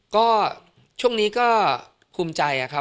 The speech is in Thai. ก็ช่วงนี้ก็ภูมิใจครับ